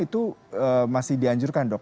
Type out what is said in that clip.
itu masih dianjurkan dok